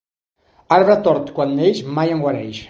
Arbre tort quan neix mai en guareix.